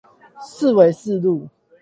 四維四路